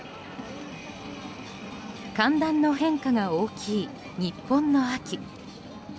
寒暖の変化が大きい日本の秋。